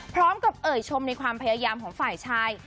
เอ่ยชมในความพยายามของฝ่ายชาย